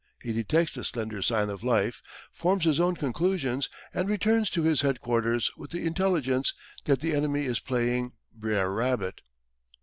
He detects the slender sign of life, forms his own conclusions, and returns to his headquarters with the intelligence that the enemy is playing "Brer Rabbit."